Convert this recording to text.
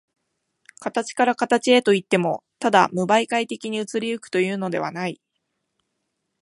形から形へといっても、ただ無媒介的に移り行くというのではない。